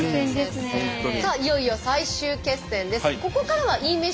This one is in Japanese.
さあいよいよ最終決戦です。